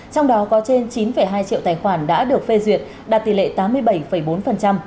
trong đó có trên chín hai triệu tài khoản đã được phê duyệt đạt tỷ lệ tám mươi bảy bốn